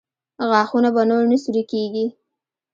غاښونه به نور نه سوري کېږي؟